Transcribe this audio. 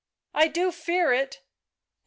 "" fear it!" " it; .